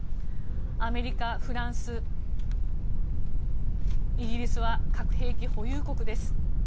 アメリカ、フランス、イギリスは核兵器保有国です。